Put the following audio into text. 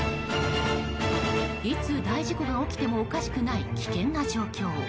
いつ大事故が起きてもおかしくない危険な状況。